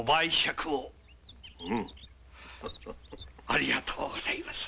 ありがとうございます。